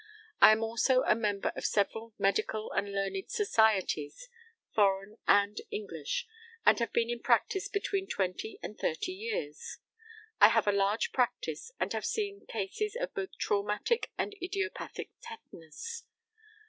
I am also a member of several medical and learned societies, foreign and English, and have been in practice between twenty and thirty years. I have a large practice, and have seen cases of both traumatic and idiopathic tetanus.